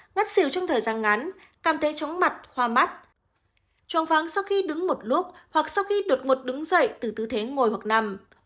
ngất xỉu trong thời gian ngắn cảm thấy chóng mặt hoa mắt trồng vắng sau khi đứng một lúc hoặc sau khi đột ngột đứng dậy từ tư thế ngồi hoặc nằm